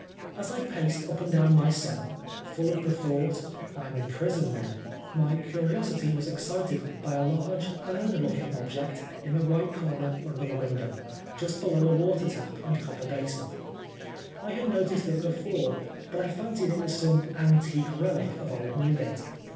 As I paced up and down my cell, full of the thought, " I am in prison, then," my curiosity was excited by a large urn looking object in the right corner under the window, just below a water tap and copper basin. I had noticed it before, but I fancied it was some antique relic of Old Newgate.